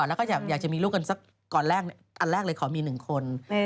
แล้วก็อยากจะมีลูกกันสักก่อนแรกอันแรกเลยขอมี๑คน